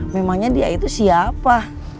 memangnya dia itu siapa